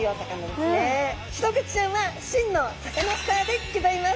シログチちゃんは真のサカナスターでギョざいます。